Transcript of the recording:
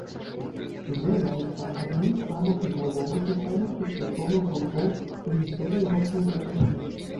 З'яўляецца адным з самых уплывовых і самых паспяховых гуртоў у гісторыі рок-музыкі.